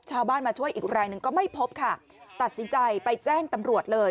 ชาวบ้านมาช่วยอีกรายหนึ่งก็ไม่พบค่ะตัดสินใจไปแจ้งตำรวจเลย